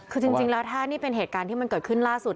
คือจริงแล้วถ้านี่เป็นเหตุการณ์ที่มันเกิดขึ้นล่าสุด